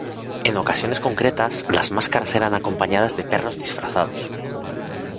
En ocasiones concretas las máscaras eran acompañadas de perros disfrazados.